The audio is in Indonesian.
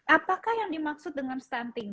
apakah yang dimaksud dengan stunting